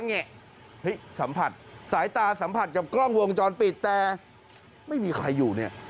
แงะเฮ้ยสัมผัสสายตาสัมผัสกับกล้องวงจรปิดแต่ไม่มีใครอยู่เนี่ย